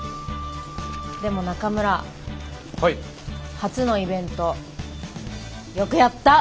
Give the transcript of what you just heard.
初のイベントよくやった。